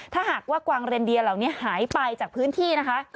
ถ้าหากว่ากวางเรนเดียเหล่านี้หายไปจากพื้นที่นะคะ